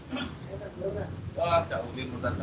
wah jauh lebih mudah